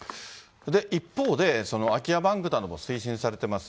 一方で、空き家バンクも推進されています。